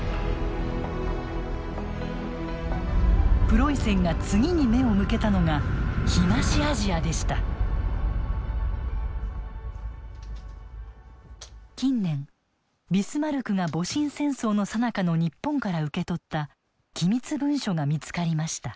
プロイセンが次に目を向けたのが近年ビスマルクが戊辰戦争のさなかの日本から受け取った機密文書が見つかりました。